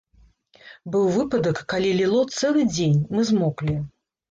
Быў выпадак, калі ліло цэлы дзень, мы змоклі.